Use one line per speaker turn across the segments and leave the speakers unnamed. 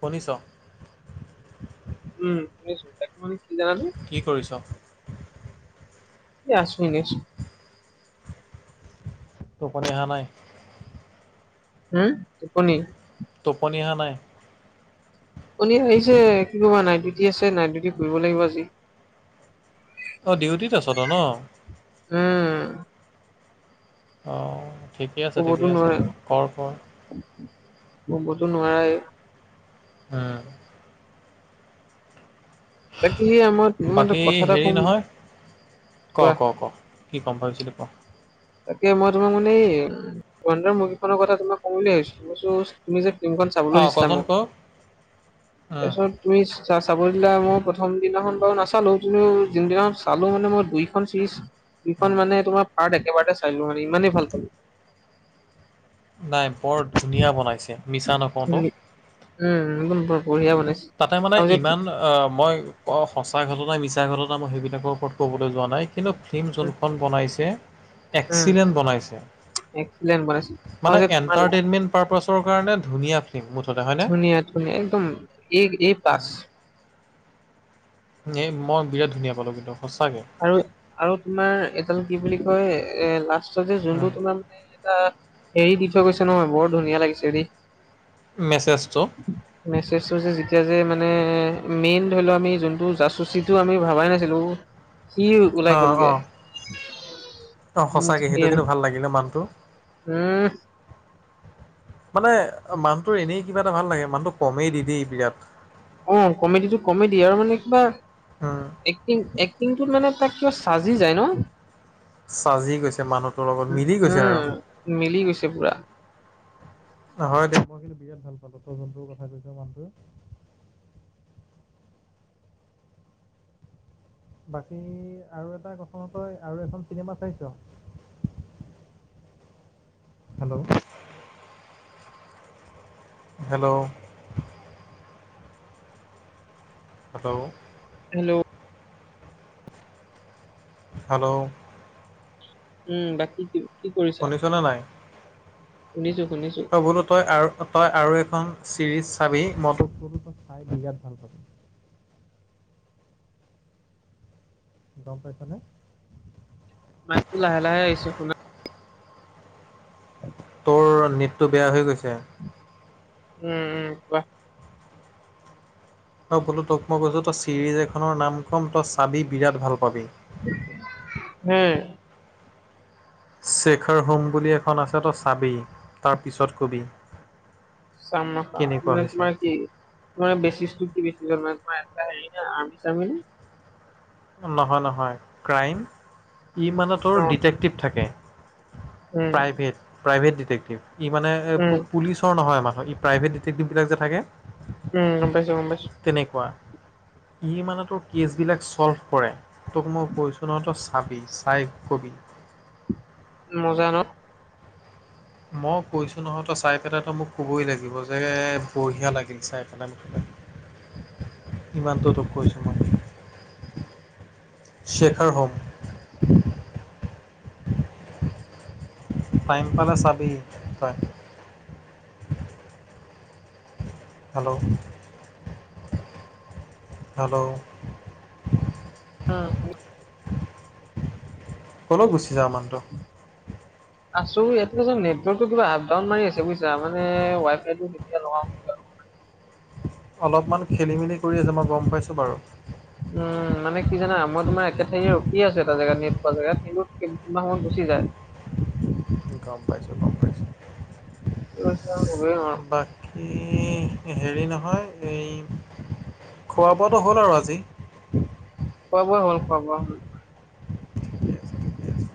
শুনিছ?
উম, শুনিছো তাকে [unintelligible]
কি কৰিছ?
এ আছো এনেচ।
টোপনি আহা নাই?
হুম টোপনি?
টোপনি আহা নাই?
টোপনি ধৰিছে কি কবা নাইট ডিউটি আছে নাইট ডিউটি কৰিব লাগিব আজি।
অ, ডিউটিত আছ তই ন?
উম,
অ, ঠিকে আছে ঠিকে
শুবতো
আছে
নোৱাৰে
দে কৰ - কৰ?
ক'বতো নোৱাৰে।
উম,
বাকী সেয়া মই তোমাক এটা
বাকী
কথা এটা
হেৰি
কম
নহয়
কোৱা
ক-ক-ক? কি কম ভাবিছিলি ক?
তাকে মই তোমাৰ মানে এই ধুৰনদৰ মুভীখনৰ কথা তোমাক কম বুলি ভাবিছো [unintelligible] তুমি যে ফিল্মখন চাবলৈ
অঁ
দিছিলা
কচোন
মোক
ক উম,
তাইছত তুমি চ- চাব দিলা মই প্ৰথম দিনাখন বাৰু নাচালো কিন্তু যোনদিনাখন চালো মানে মই দুই খন চিৰিজ
উম।
দুইখন মানে তোমাৰ পাৰ্ট একেবাৰতে চাই দিলো মানে ইমানেই ভাল পালো।
নাই বৰ ধুনীয়া বনাইছে মিছা ন
উম, [unintelligible] বঢ়িয়া বনাইছে।
তাকে মানে
আৰু যে
ইমান অ, মই অ, সঁচাই ঘটনা মিছা ঘটনা মই সেইবিলাকৰ ওপৰত ক'বলৈ যোৱা নাই কিন্তু ফিল্ম যোনখন বনাইছে এক্সিলেণ্ট বনাইছে।
লেন বনাইচি।
মানে এন্টাৰটেইনমেন্ট পাৰপছৰ কাৰনে ধুনীয়া ফিল্ম মুঠতে হয়নে?
ধুনীয়া ধুনীয়া একদম এ -এ প্লাছ।
এ মই বিৰাট ধুনীয়া পালো কিন্তু সঁচাকে।
আৰু -আৰু তোমাৰ এডাল কি বুলি কয় এ লাষ্টত যে যোনটো তোমান [unintelligible] এৰি দি থৈ গৈছে নহয় বৰ ধুনীয়া লাগিছে দে।
মেছেজটো?
মেছেজটো যে যেতিয়া যে মানে মেইন ধৰি লও আমি যোনটো জাচুচিটো আমি ভাবাই নাছিলো। সি ওলাই
অ',
গ'লগে।
অ', অ,
উম,
সঁচাকে সেইটো
ধুনীয়া
কিন্তু ভাল লাগিলে মানুহটো।
উম,
মানে মানুহটোৰ এনেই কিবা এটা ভাল লাগে মানুহটো কমেডি দেই বিৰাট।
অ, কমেডি টো কমেডি আৰু মানে কিবা
উম,
এক্টিং- এক্টিংটোত মানে তাক কিবা সাজি যায় ন?
চাজি গৈছে মানুহটোৰ লগত
উম,
মিলি গৈছে আৰু।
উম মিলি গৈছে পুৰা।
নহয় দে মই কিন্তু বিৰাট ভাল পালোঁ তই জোনটো কথা কৈছ মানুহটো বাকী আৰু এটা [unintelligible] ন 'তই আৰু এখন চিনেমা চাইছ? Hello, hello, hello,
hello,
hello,
উম, বাকি কি কি
শুনিছ নে নাই?
শুনিছো-শুনিছো।
তই বোলো তই আৰু তই আৰু এখন চিৰিজ চাবি মই তোক কলো চাই বিৰাট ভাল পাবি। গম পাইচানে?
মাতটো লাহে-লাহে আহিছে, শুনা
তোৰ নেটটো বেয়া হৈ গৈছে,
উম, উম, কোৱা?
তই বোলো তোক মই কৈছো তই চিৰিজ এখনৰ নাম ক'ম তই চাবি বিৰাট ভাল পাবি।
হম,
শেখাৰ হোম বুলি এখন আছে তো চাবি তাৰ পিছত কবি।
চামনাখা
কেনেকুৱা
মেক
হৈছে।
মাই কি? নহয় বেচিচ টো কি আছিলে, মানে তোমাৰ এটা হেৰি না আৰ্মি চাৰ্মি নে?
নহয়-নহয় ক্ৰাইম ই মানে তোৰ
অ',
ডিটেক্টিভ থাকে।
উম,
প্ৰাইভেট-প্ৰাইভেট ডিটেকটিভ ই মানে
উম,
পুলিচ নহয় ম প্ৰভেটেটভ বিলাক যে থাকে,
উম, গম পাইছো, গম পাইছো।
তেনেকুৱা, ই মানে তোৰ কেচবিলাক চ'ল্ভ কৰে তোক মই কৈছো নহয় চাবি চাই কবি।
মজা ন,
মই কৈছো নহয় তো চাই পেলাইটো মোক কবই লাগিব যে বঢ়িয়া লাগিল চাই পেলাই মোঠতে। ইমানটো তোক কৰিছো মই। শেখৰ হ'ম। [unintelligible] টাইম পালে চাবি তই। হেল্ল', হেল্ল',
উম,
কলৈ গুচি যাওঁ মানুহটো?
আছো এইয়াতে নেটৰ্কটো কিবা আপ ডাউন মাৰি আছে বুজছা, মানে ৱাই ফাইটো কেতিয়া লগাও? কেতিয়া লগাওঁ।
অলপমান খেলি মেলি কৰি আছে মই গম পাইছোঁ বাৰু।
উম, মানে কি জানা মই তোমাৰ একে ঠাইতে ৰখি আছো এটা জেগাত, নেট পোৱা জেগাত, কিন্তু কোনোবা সময়ত গুচি যায়।
গম পাইছোঁ গম পাইছোঁ।
[unintelligible] হ'ল,
[unintelligible] কি হেৰি নহয় এই খোৱা বোৱাটো হ'ল আৰু আজি?
খোৱা বোৱা হল, খোৱা বোৱা হল।
ঠিকে আছে ঠিকে আছে।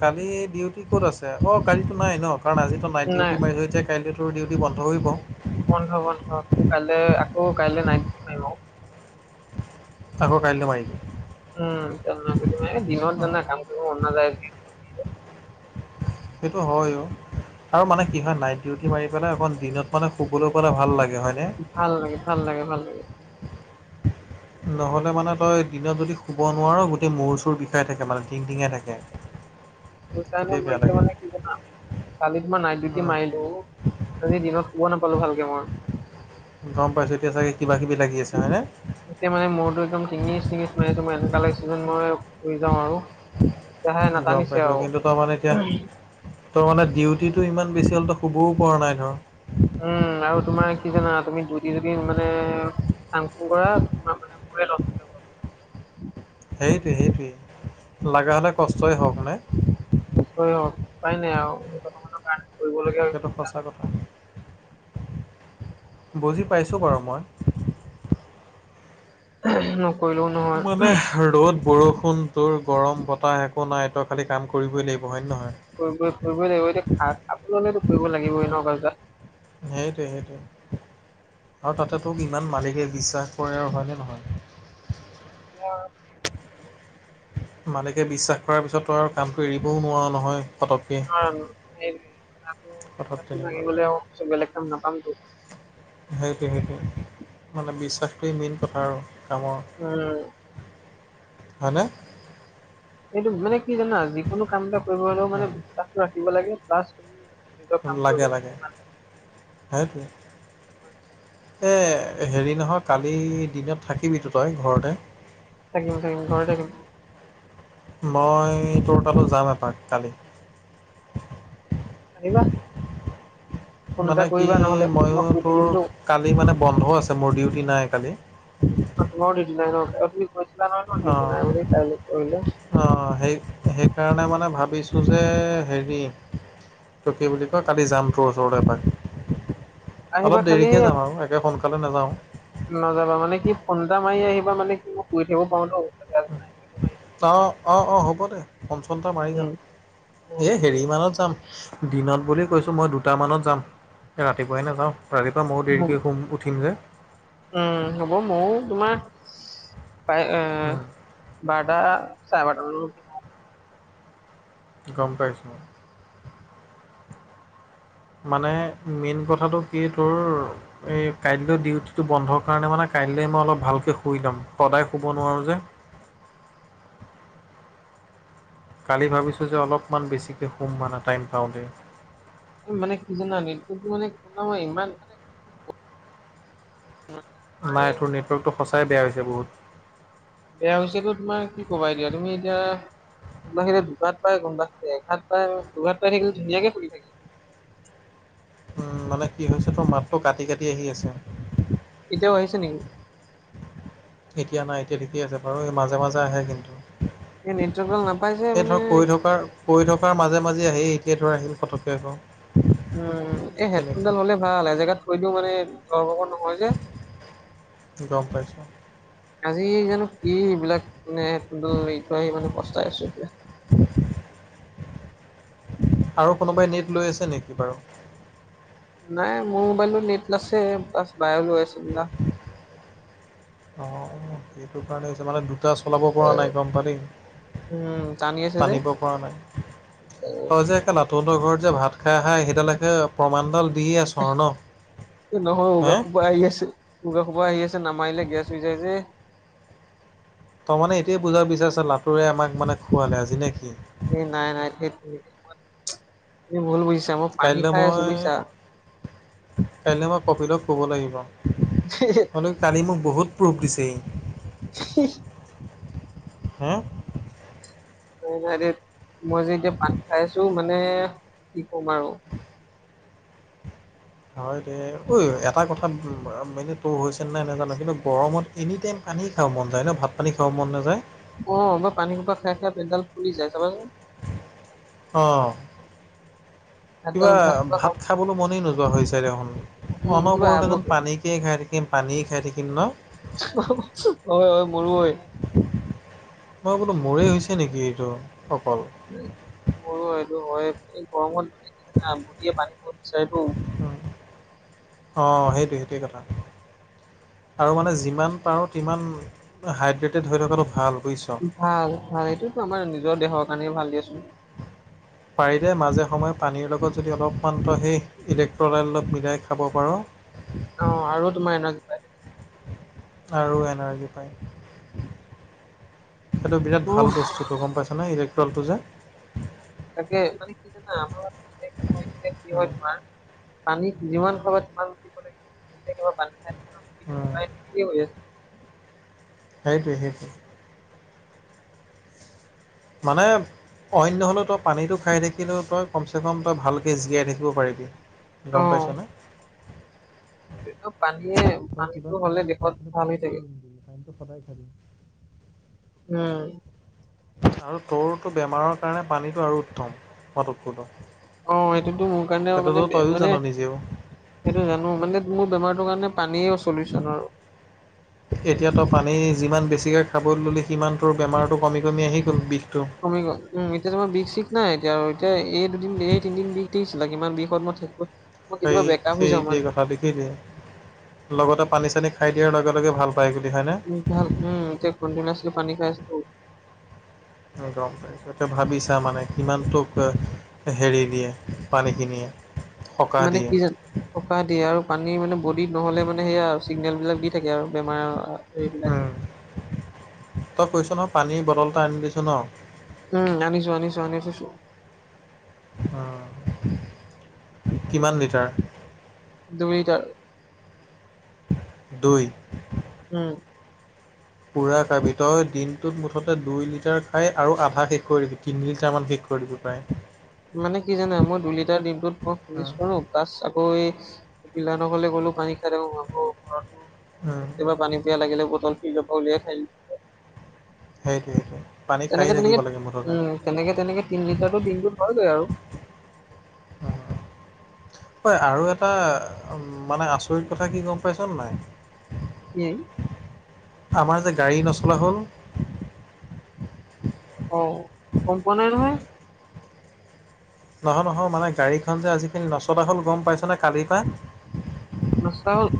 কালি ডিউটি ক'ত আছে অ কালিতো নাই ন কাৰণ আজিটো নাইট ডিউটি মাৰি হৈ যায়। কাইলে তোৰ ডিউটি বন্ধ কৰিব।
বন্ধ-বন্ধ, তোৰ কাইলে আকৌ কাইলে নাই [unintelligible]
আকৌ কাইলে মৰিব।
উম, দিনত
অঁ
জানা কাম কৰিব মন নাযায়,
সেইটো হয় অ, আৰু মানে কি হয় নাইট ডিউটি মাৰি পেলাই অকণ দিনত মানে শুবলে পালে ভাল লাগে হয় নে?
ভাল লাগে, ভাল লাগে, ভাল লাগে।
নহ'লে মানে তই দিনত যদি শুব নোৱাৰ গোটেই মূৰ চুৰ বিষাই থাকে মানে টিং টিঙাই থাকে। [unintelligible]
পইছা
সেইটোৱে
ন
বেয়া
এতিয়া
লাগে
মানে, কালি তোমাৰ নাইট ডিউটি
উম।
মাৰিলো আজি দিনত শুবা নাপালো ভালকে মই।
গম পাইছো এতিয়া চাগে কিবা কিবি লাগি আছে হয়নে?
এতিয়া মানে মূৰটো একদম টিঙিছ টিঙিছ হৈ আছে মই এনেুকুৱা লাগিছে যেন মই শুই যাওঁ আৰু লাহে
গম
নাটানিছে
পাইছো
আৰু
কিন্তু তই মানে এতিয়া, ত মানে ডিউটিটো ইমান বেছি হ'লে তো শুবও পৰা নাই ধৰ,
উম আৰু তোমাৰ কি জানা তুমি ডিউটি যদি মানে ফাং ফুং কৰা ত,
সেইটোৱে সেইটোৱে লাগা হ'লে কষ্টই হওক নে,
অয় উপায় নাই আৰু [unintelligible] কাৰণে, কৰিবলগীয়া
সেইটো সঁচা কথা বুজি পাইছোঁ বাৰু মই,
[unintelligible] নহয়
মানে ৰ'দ বৰষুণ তোৰ গৰম বতাহ একো নাই ত, খালি কাম কৰিবই লাগিব হয় নে নহয়?
কৰিবই কৰিবই লাগিব এতিয়া আপোনতো কৰিব লাগিব এনেকুৱা যে,
সেইটোৱে সেইটোৱে আৰু তাতে তোক ইমান মালিকে বিশ্বাস কৰে আৰু হয়নে নহয়।
হয়।
মালিকে বিশ্বাস কৰাৰ পিছত তো আৰু কামটো এৰিবও নোৱাৰ নহয় পতকে
কাৰণ এই
কথাটো তেনেকুৱা।
চ বেলেগ কাম নাপামতো,
সেইটোৱে সেইটোৱে মানে বিশ্বাসটোৱেই মেইন কথা আৰু কামৰ।
উম
হয়নে,
এইটো মানে কি জানা যিকোনো কাম এটা কৰিব হলেও মানে
উম,
বিশ্বাসটো ৰাখিব লাগে প্লাছ, নিজৰ কাম কৰিব
লাগে লাগে সেইটোৱে,
[inaudible]
এই হেৰি নহয় কালি দিনত থাকিবিতো তই ঘৰতে।
থাকিম থাকিম ঘৰতে থাকিম।
মই তোৰ তালো যাম এপাক কালি।
আহিবা। ফোন এটা
মানে কি
কৰিবা নহলে
মইও
মই শুই
তোৰ
থাকিমতো
কালি মানে বন্ধ আছে মোৰ ডিউটি নাই কালি।
অ তোমাৰো ডিউটি নাই ন এ তুমি কৈছিলা নহয় ন ডিউটি নাই বুলি কাইলে পৰহিলে।
অঁ সেই সেইকাৰণে মানে ভাবিছোঁ যে হেৰি, ত কি বুলি কয় কালি যাম তোৰ ওচৰলে এপাক
আহিবা
অলপ
খালি
দেৰিকে যাম আৰু একে সোনকালে সোনকালে নাযাওঁ,
নাযাবা মানে কি ফন এটা মাৰি আহিবা মানে কি শুই থাকিব পাৰুতো।
অঁ অঁ হ'ব দে ফোন চন এটা মাৰি যাম।
উম, উম,
এ হেৰি মানত যাম দিনত বুলি কৈছো মই দুটা মানত যাম। ৰাতিপুৱাই নাযাওঁ ৰাতিপুৱা মইয়ো
উম, উম,
দেৰিকৈ শুম উঠিম যে,
উম হ'ব মইয়ো তোমাৰ পাই আ, বাৰটা চাৰে বাৰটা
গম পাইছোঁ। মানে মেইন কথাটো কি তোৰ। এ কাইলৈ ডিউটিটো বন্ধ কাৰণে মানে কাইলে মই অলপ ভালকে শুই ল'ম ত সদায় শুব নোৱাৰোঁ যে। কালি ভাবিছোঁ যে অলপমান বেছিকে শুম মানে টাইম পাওঁতেই।
এ মানে কি জানা [unintelligible] মানে কোনো ইমান মানে কি কম।
নাই তোৰ নেটৱৰ্কটো সঁচাই বেয়া হৈছে বহুত।
বেয়া হৈছে ত তোমাৰ কি কবা এতিয়া তুমি এতিয়া। কোনোবা খিতে দুঘাত পায় কোনোবা খিতে এঘাত পায় দুঘাত পাই থাকিলে ধুনীয়াকে চলি থাকে।
উম মানে কি হৈছে, তোৰ মাতটো কাটি কাটি আহি আছে।
এতিয়াও আহিছে নেকি।
এতিয়া নাই এতিয়া ঠিক আছে বাৰু মাজে মাজে আহে কিন্তু,
এই নেটৱৰ্ক নাপাইছে
এই
মানে,
ধৰ কৈ থকাৰ কৈ থকাৰ মাজে মাজে আহি এতিয়া ধৰ আহিল পটককে আকৌ।
উম, এই
তেনেকুৱা।
হেডফোনডাল হ'লে ভাল এ জেগাত থৈ দিও মানে [unintelligible] নহয় যে।
গম পাইছোঁ।
আজি জানো কি এইবিলাক মানে হেডফোন দাল এৰিঠয় আহি মানে পস্তাই আছো এতিয়া।
আৰু কোনোবাই নেট লৈ আছে নেকি বাৰু?
নাই মোৰ মোবাইলটোত নেট আছে। প্লাছ বাইও লৈ আছিল না।
[unintelligible] অ', অ' সেইটো কাৰণে হৈছে মানে। দু [unintelligible] চলাব পৰা নাই গম পালি
উম টানি আছে যে
টানিব পৰা নাই। তই যে কেলা তহঁতৰ ঘৰত যে ভাত খাই আহা সেইদালকহে প্ৰমাণদল
এ নহয়
হে
[unintelligible] খুব আহি আছিল। উগাৰ খোপা আহি আছে নামাৰিলে গেছ হৈ যাই যে।
তই মানে এইটোৱে বুজাব বিচাৰিছ লাটুৰে আমাক মানে খুৱালে আজি নে কি?
এই নাই-নাই ধেটটেৰি [unintelligible] তুমি ভূল বুজিছা মোক
কাইলৈ মই কাইলৈ মই কপিলক ক'ব লাগিব। হলোও কালি মোক বহুত প্ৰুফ দিছে হি।
[unintelligible]
হম
নাই-নাই ধেত মই যে এতিয়া পানী খাই আছো মানে কি কম আৰু।
হয় দে। ঐ এটা কথা মানে তোৰ হৈছে নাই নাজানো কিন্তু গৰমত এনি টাইম পানী খাব মন যায় ন, ভাত পানী খাব মন নাযায়।
অ' মই পানী হোপা খাই-খাই পেট ডাল ফুলি যায় চাবাচোন।
অ'।
ভাতডাল
কিবা
খোপা
ভাত
খাব
খাবলও মনেই নোযোৱা হৈছে দেখোন।
উম কিবা
অনবৰতে
আভোক।
যেন পানীকে খাই থাকিম। থাকিম পানীয়ে খাই থাকিম ন?
অ' হয়-হয় মোৰো হয়।
মই বোলো মোৰে হৈছে নেকি এইটো অকল।
উম মোৰো এইটো হয়ে এই গৰমত মানে কি জানা বদিয়ে পানী খাব বিচাৰে টো।
অ' সেইটোৱে-সেইটোৱে কথা। আৰু মানে যিমান পাৰোঁ তিমান হাইড্ৰেটেড হৈ থকাটো ভাল বুইছ।
ভাল-ভাল এইটোতো আমাৰ নিজৰ দেহৰ কাৰণেও ভাল দিয়াচোন।
পাৰিলে মাজে সময়ে পানীৰ লগত যদি অলপমান তই সেই ইলেকট্ৰল অলপ মিলাই খাব পাৰ।
অ' আৰু তোমাৰ এনাৰ্জি পায়।
আৰু এনাৰ্জি পায়। সেইটো বিৰাট ভাল
উফ
বস্তু। তো গম পাইছ নে ইলেকট্ৰলতো যে।
তাকে মানে কি জানা [unintelligible] কি হয়
উম,
তোমাৰ পানী যিমান খাবা তিমান মূতিব লাগিব
উম,
[unintelligible]
সেইটোৱে-সেইটোৱে। মানে অইন নহ'লেও তই পানীটো খাই থাকিলেও তই কমচে কম তই ভালকে জীয়াই থাকিব পাৰিবি। গম পাইছ নে?
অ' এইটো পানীয়ে
চ,
পানীটো
কিবা
হ'লে
খাওঁ নাখাওঁ
দেহত
কিন্তু
ভাল হৈ
পানীটো
থাকে
এৰি নিদিবি পানীটো সদায় খাবি।
উম।
আৰু তোৰটো বেমাৰৰ কাৰণে পানীটো আৰু উত্তম। [unintelligible]
অ' সেইটোতো মোৰ কাৰণেও
সেইটোতো
মানে বে
তইয়ো
মানে
জান নিজেও।
সেইটো জানো মানে মোৰ বেমাৰটোৰ কাৰণে পানীয়ে চলিউচন আৰু।
এতিয়াতো পানী যিমান বেছিকৈ খাবলৈ ল'লি সিমানটোৰ বেমাৰটো কমি কমি আহি গ'ল বিষটো।
কমি গল উম, এতিয়া তোমাৰ বিষ চিক নাই এতিয়া আৰু এতিয়া এই দুদিন এই তিনদিন বিষ [unintelligible] কিমান বিষত মই থাকিব
সেই-সেই কথা দেখি। [unintelligible] লগতে পানী চানী খাই দিয়াৰ লগে লগে ভাল পায় বুলি হয়নে।
ভাল উম এতিয়া কন্টিনিচলি পানী খাই আছিলো।
অহ গম সেতো ভাবিছা মানে কিমানটোক হেৰি দিয়ে পানীখিনিয়ে। সকাহ
মানে
দিয়ে।
কি জান, সকাহ দিয়ে আৰু পানী মানে বডিত নহ'লে মানে সেয়া আৰু চিগনেল বিলাক দি থাকে আৰু বেমাৰ হেৰিবিলাক,
উম, তই কৈছ নহয় পানীৰ বটল এটা আনি দিছো ন।
উম আনিছো আনিছো আনিছো,
অ কিমান লিটাৰ।
দুই লিটাৰ।
দুই,
উম,
পুৰা কি তই দিনটোত মুঠতে দুই লিটাৰ খাই আৰু আধা শেষ কৰি দিবি তিনি লিটাৰ মান শেষ কৰি, কৰিব পাই,
মানে কি জানা মই দুই লিটাৰ দিনটোত ফিনিছ
উম,
কৰো প্লাছ আকৌ, পলাহ নসলে গ'লো পানী খাই দে ঘৰত,
অঁ,
কিবা পানী পিয়া লাগিলে বতল ফ্ৰীজৰ পৰা উলিয়াই খাই দিও,
সেইটোৱে সেইটোৱে পানী
তেনেকে
খাই
তেনেকে
থাকিব লাগে মুঠতে,
উম তেনেকে তেনেকে তিনি লিটাৰৰ দিনটোত হয়গৈ আৰু
হয় আৰু এটা উ মানে আচৰিত কথা কি গম পাইছ নে নাই।
কি।
আমাৰ যে গাড়ী নচলা হল।
অ গম পোৱা নাই নহয়।
নহয় নহয় মানে গাড়ীখন যে আজি কালি নচলা হ'ল গম পাইছ নে কালিৰ পা।
নচলা হল।